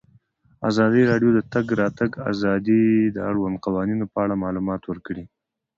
ازادي راډیو د د تګ راتګ ازادي د اړونده قوانینو په اړه معلومات ورکړي.